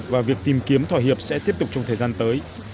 và việc tìm kiếm thỏa hiệp sẽ tiếp tục trong thời gian tới